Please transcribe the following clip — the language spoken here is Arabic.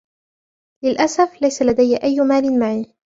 للأسف ليس لدي أي مال معي.